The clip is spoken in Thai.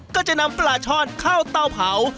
ก็จะนำปลาช่อนเข้าเตาเผา